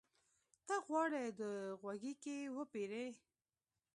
ته غواړې د غوږيکې وپېرې؟